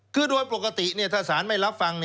คือโดยปกติถ้าสารไม่รับฟัง